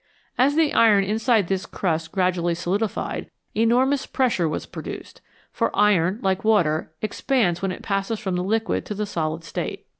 As the iron inside this crust gradually solidified, enormous pressure was produced ; for iron, like water, expands when it passes from the liquid to the solid state.